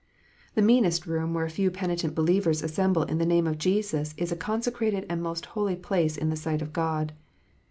The meanest room where a few penitent believers assemble in the name of Jesus is a consecrated and most holy place in the sight of God.